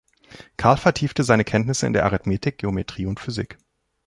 Carl vertiefte seine Kenntnisse in der Arithmetik, Geometrie und Physik.